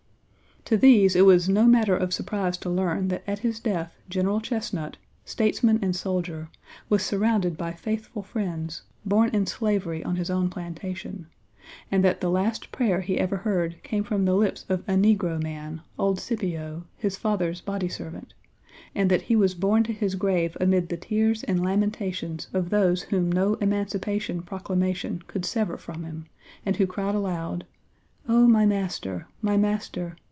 "To these it was no matter of surprise to learn that at his death General Chesnut, statesman and soldier, was surrounded by faithful friends, born in slavery on his own plantation, and that the last prayer he ever heard came from the lips of a negro man, old Scipio, his father's body servant; and that he was borne to his grave amid the tears and lamentations of those whom no Emancipation Proclamation could sever from him, and who cried aloud: '0 my master! my master!